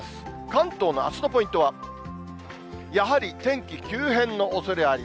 関東のあすのポイントは、やはり天気急変のおそれあり。